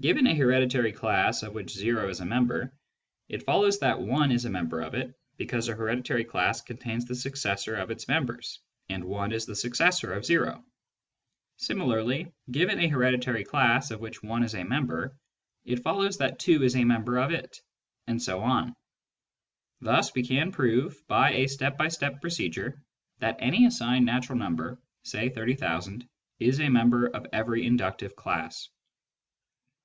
Given a hereditary class of which o is a member, it follows that i is a member of it, because a hereditary class contains the successors of its members, and i is the successor of o. Similarly, given a hereditary class of which i is a member, it follows that 2 is a member of it ; and so on. Thus we can prove by a step by step procedure that any assigned natural number, say 30,000, is a member of every inductive class.